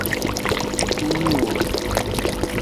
unuo